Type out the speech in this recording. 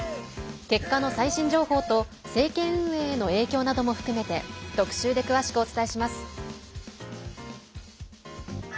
結果の最新情報と政権運営への影響なども含めて特集で詳しくお伝えします。